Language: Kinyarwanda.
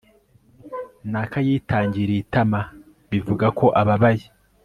naka yitangiriye itama, bivuga ko ababaye